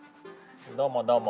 どうもどうも。